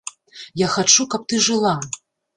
Я хачу, каб ты жыла.